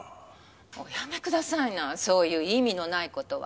おやめくださいなそういう意味のない事は。